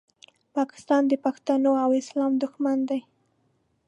پاکستان د پښتنو او اسلام دوښمن دی